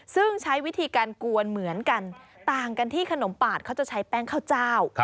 ซึ่งใช้วิธีการกวนเหมือนกันต่างกันที่ขนมปาดเขาจะใช้แป้งข้าวเจ้า